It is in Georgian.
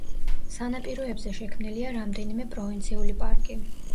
სანაპიროებზე შექმნილია რამდენიმე პროვინციული პარკი.